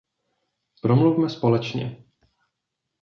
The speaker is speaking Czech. Promluvme společně.